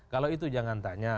kalau itu jangan tanya